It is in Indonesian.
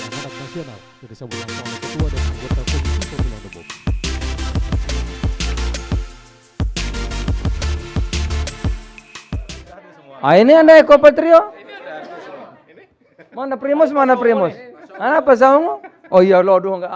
hai ini anda eko patrio mana primus mana primus anak pasang oh ya allah doang